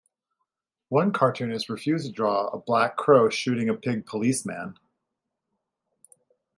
One cartoonist refused to draw a black crow shooting a pig policeman.